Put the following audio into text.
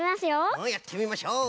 うんやってみましょう。